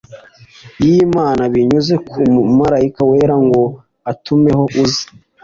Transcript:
y imana binyuze ku mumarayika wera ngo agutumeho uze